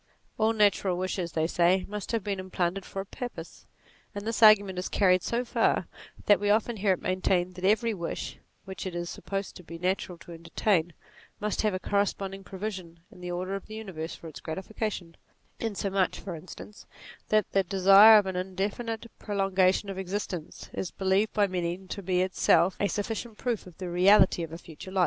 All natural wishes, they say, must have been implanted for a purpose : and this argument is carried so far, that we often hear it maintained that every wish, which it is supposed to be natural to entertain, must have a corresponding provision in the order of the universe for its gratification : insomuch (for instance) that the desire of an indefinite prolongation of existence, is believed by many to be in itself a sufficient proof of the reality of a future life.